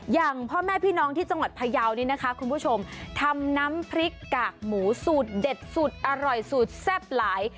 อย่างพ่อแม่พี่น้องที่จังหวัดพยาวนี่นะคะคุณผู้ชมทำน้ำพริกกากหมูสูตรเด็ดสูตรอร่อยสูตรแซ่บหลาย